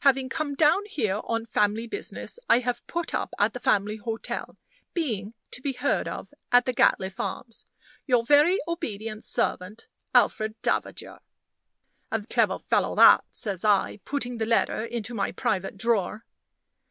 Having come down here on family business, I have put up at the family hotel being to be heard of at the Gatliffe Arms. Your very obedient servant, ALFRED DAVAGER." "A clever fellow that," says I, putting the letter into my private drawer.